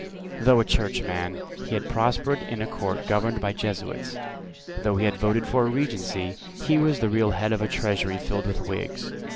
Though a churchman, he had prospered in a Court governed by Jesuits. Though he had voted for a Regency, he was the real head of a treasury filled with Whigs.